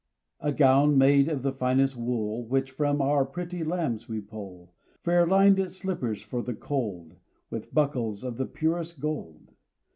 A gown made of the finest wool, Which from our pretty lambs we pull, Fair lined slippers for the cold, With buckles of the purest gold.